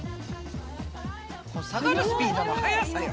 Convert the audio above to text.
下がるスピードのはやさよ。